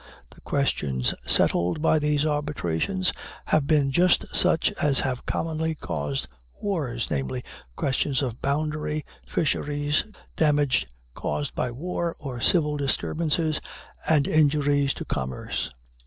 The questions settled by these arbitrations have been just such as have commonly caused wars, namely, questions of boundary, fisheries, damage caused by war or civil disturbances, and injuries to commerce.